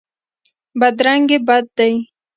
بدرنګي بد دی.